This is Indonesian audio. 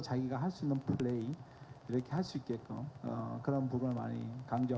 jika menikmati permainan